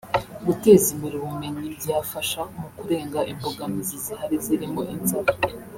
guteza imbere ubumenyi byafasha mu kurenga imbogamizi zihari zirimo inzara